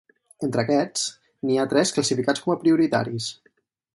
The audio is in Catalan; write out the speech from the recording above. Entre aquests n'hi ha tres classificats com a prioritaris.